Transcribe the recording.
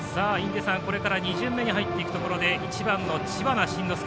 これから２巡目に入っていくところで１番の知花慎之助。